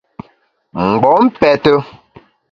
Mgbom pète.